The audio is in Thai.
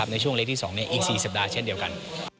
ในช่วงเลขที่๒อีก๔สัปดาห์เช่นเดียวกัน